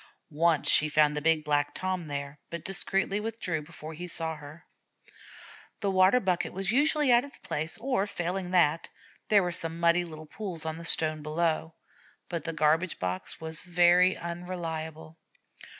Once she found the big Black Tom there, but discreetly withdrew before he saw her. The water bucket was usually at its place, or, failing that, there were some muddy little pools on the stone below. But the garbage box was very unreliable.